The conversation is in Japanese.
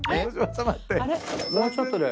もうちょっとで。